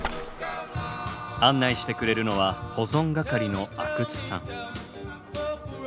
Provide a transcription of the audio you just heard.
案内してくれるのは保存係の阿久津さん。